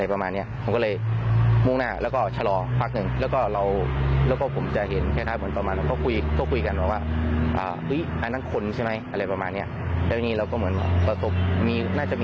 เราก็เลยล้างคราบเลือดค่ะ